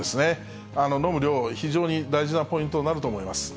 飲む量、非常に大事なポイントになると思います。